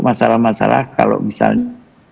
masalah masalah kalau misalnya